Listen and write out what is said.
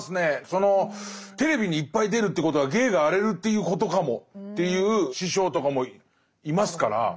そのテレビにいっぱい出るということは芸が荒れるっていうことかもって言う師匠とかもいますから。